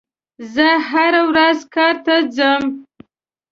زه هره ورځ کار ته ځم.